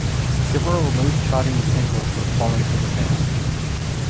Several low-charting singles would follow for the band.